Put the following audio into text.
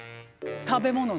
食べ物の？